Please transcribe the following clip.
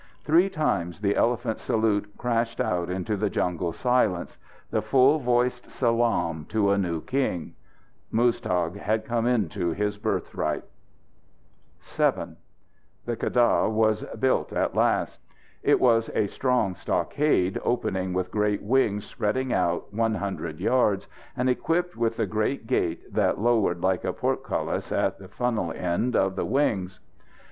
Three times the elephant salute crashed out into the jungle silence the full voiced salaam to a new king. Muztagh had come into his birthright. VII The keddah was built at last. It was a strong stockade, opening with great wings spreading out one hundred yards, and equipped with the great gate that lowered like a portcullis at the funnel end of the wings.